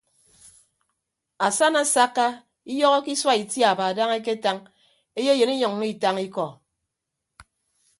Asana asakka iyọhọke isua itiaba dana eketañ eyeyịn inyʌññọ itañ ikọ.